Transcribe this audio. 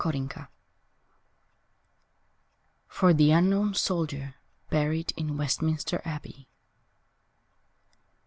Epitaph (For the unknown soldier buried in Westminster Abbey.)